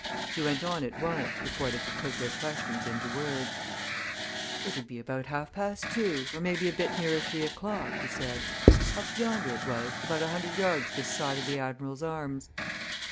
He went on at once, before they could put their questions into words. "It 'ud be about half past two, or maybe a bit nearer three o'clock," he said. "Up yonder it was, about a hundred yards this side of the 'Admiral's Arms.'